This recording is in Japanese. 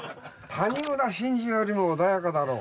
谷村新司よりも穏やかだろ？